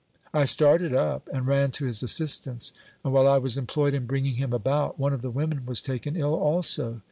I started up and ran to his assistance ; and while I was employed in bringing him about, one of the women was taken ill also.